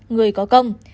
người có công